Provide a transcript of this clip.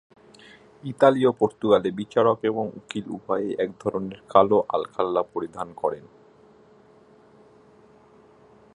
Italy ও পর্তুগালে বিচারক এবং উকিল উভয়ই এক ধরনের কালো আলখাল্লা পরিধান করেন।